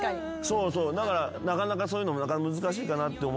だからなかなかそういうのも難しいかなって思っちゃった。